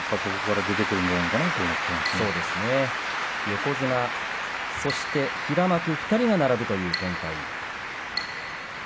横綱、平幕２人が並ぶという展開。